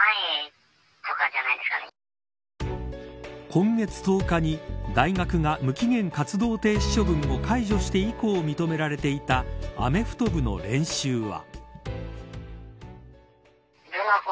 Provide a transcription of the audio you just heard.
今月１０日に大学が無期限活動停止処分を解除して以降、認められていたアメフト部の練習は。